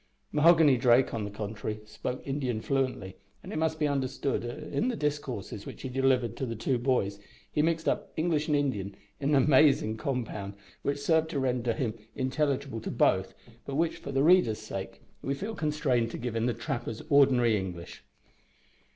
Mahoghany Drake, on the contrary, spoke Indian fluently, and it must be understood that in the discourses which he delivered to the two boys he mixed up English and Indian in an amazing compound which served to render him intelligible to both, but which, for the reader's sake, we feel constrained to give in the trapper's ordinary English.